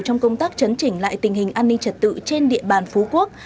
trong công tác chấn chỉnh lại tình hình an ninh trật tự trên địa bàn phú quốc